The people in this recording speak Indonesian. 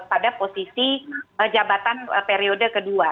pada posisi jabatan periode kedua